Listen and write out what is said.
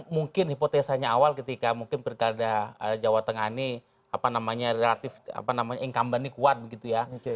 mungkin hipotesanya awal ketika mungkin pilkada jawa tengah ini apa namanya relatif apa namanya incumbent ini kuat begitu ya